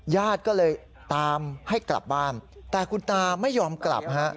ญาติก็เลยตามให้กลับบ้านแต่คุณตาไม่ยอมกลับฮะ